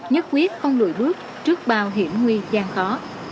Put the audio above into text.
nhất quyết không lùi bước trước bao hiểm nguy gian khó